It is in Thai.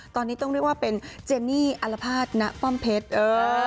ตอนนี้ต้องเรียกว่าเป็นเจนี่อัลภาษณป้อมเพชรเออ